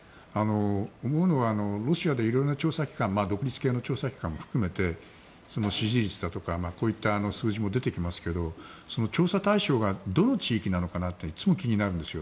思うのは、ロシアで色んな調査機関独立系の調査機関も含めて支持率だとかこういった数字も出てきますが調査対象がどの地域なのかなというのはいつも気になるんですよ。